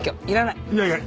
いらない。